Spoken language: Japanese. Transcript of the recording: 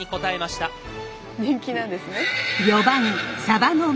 人気なんですね。